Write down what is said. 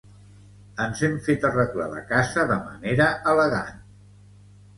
Ens hem fet arreglar la casa de manera elegant.